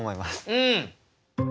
うん！